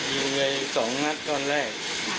ยิงอีก๒นัฏก่อนแรก